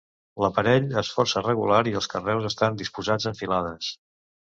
L'aparell és força regular i els carreus estan disposats en filades.